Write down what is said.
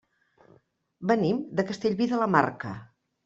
Venim de Castellví de la Marca.